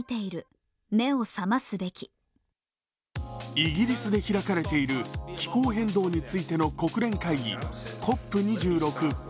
イギリスで開かれている気候変動についての国連会議、ＣＯＰ２６。